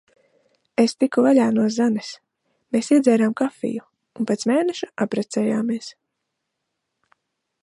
Es tiku vaļā no Zanes. Mēs iedzērām kafiju. Un pēc mēneša apprecējāmies.